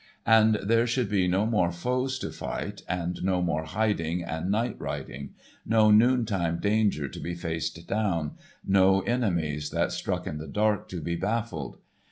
And there should be no more foes to fight, and no more hiding and night riding; no noontime danger to be faced down; no enemies that struck in the dark to be baffled.